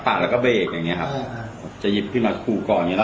ปาดแล้วก็เบรกอย่างนี้ครับจะยิบขึ้นมาขูก่อนอย่างนี้